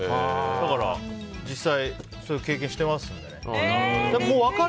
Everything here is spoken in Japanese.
だから、実際そういう経験してますんでね。